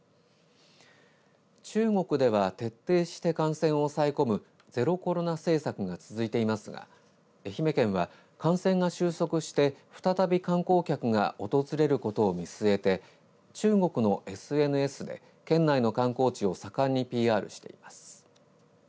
中国では徹底して感染を抑え込むゼロコロナ政策が続いていますが愛媛県は感染が収束して再び観光客が訪れることを見据えて中国のＳＮＳで県内の観光地を盛んにＰＲしています。